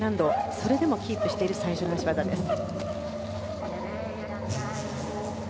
それでもキープしていた最初の脚技でした。